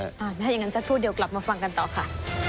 ถ้าอย่างนั้นสักครู่เดียวกลับมาฟังกันต่อค่ะ